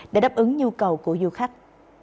để đáp ứng nhu cầu của du khách